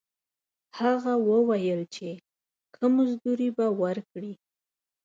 هغه وویل چې ښه مزدوري به ورکړي.